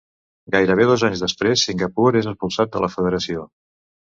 Gairebé dos anys després Singapur és expulsat de la federació.